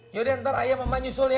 yaudah ntar ayah sama emak nyusul ya